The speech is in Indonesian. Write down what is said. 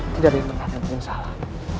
tidak ada yang pernah minta maaf